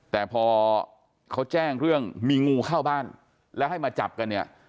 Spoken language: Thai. แต่พอเขาแจ้งเรื่องมีงูเข้าบ้านแล้วให้มาจับกันเนี่ย